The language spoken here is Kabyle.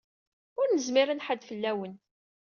Ur nezmir ad nḥadd fell-awen.